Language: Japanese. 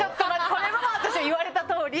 これも私は言われたとおり。